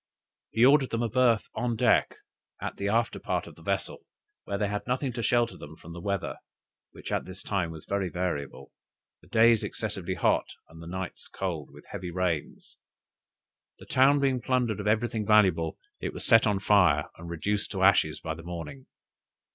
He ordered them a berth on deck, at the after part of the vessel, where they had nothing to shelter them from the weather, which at this time was very variable the days excessively hot, and the nights cold, with heavy rains. The town being plundered of everything valuable, it was set on fire, and reduced to ashes by the morning.